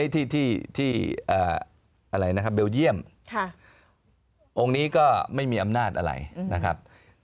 ที่เบลเยี่ยมองค์นี้ก็ไม่มีอำนาจอะไรนะครับ